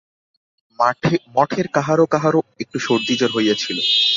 মঠের কাহারও কাহারও একটু সর্দিজ্বর হইয়াছিল।